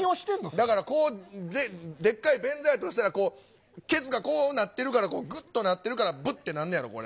だから、でっかい便座やとしたら、こう、けつがこうなってるからぐっとなってるから、ぶってなんねやろ、これ。